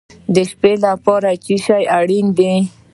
د شپې لپاره څه شی اړین دی؟